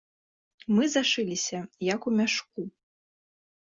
Мы зашыліся, як у мяшку.